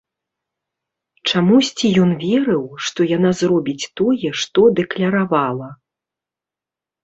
Чамусьці ён верыў, што яна зробіць тое, што дакляравала.